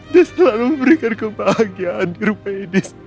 dia selalu memberikan kebahagiaan di rumah ini